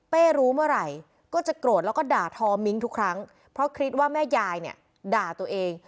รู้เมื่อไหร่ก็จะโกรธแล้วก็ด่าทอมิ้งทุกครั้งเพราะคิดว่าแม่ยายเนี่ยด่าตัวเอง